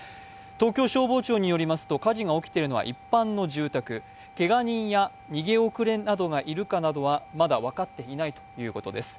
東京消防庁によりますと火事が起きているのは一般の住宅けが人や逃げ遅れなどがいるかなどはまだ分かっていないということです。